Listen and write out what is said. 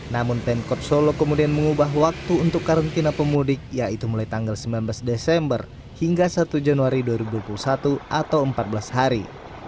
namun pemkot solo kemudian mengubah waktu untuk karantina pemudik yaitu mulai tanggal sembilan belas desember hingga satu januari dua ribu dua puluh satu atau empat belas hari